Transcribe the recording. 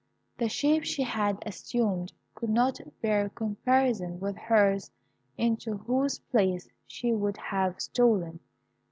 The shape she had assumed could not bear comparison with hers into whose place she would have stolen.